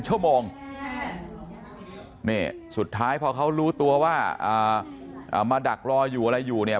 ชั่วโมงนี่สุดท้ายพอเขารู้ตัวว่ามาดักรออยู่อะไรอยู่เนี่ย